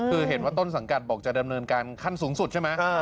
คือเห็นว่าต้นสังกัดบอกจะดำเนินการขั้นสูงสุดใช่ไหม